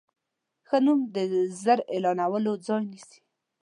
ښه نوم د زر اعلانونو ځای نیسي.